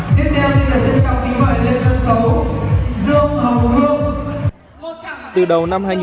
tiếp theo xin lời chân trọng kính mời lên sân khấu